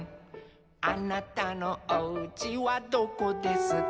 「あなたのおうちはどこですか」